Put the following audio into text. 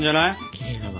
きれいだわ。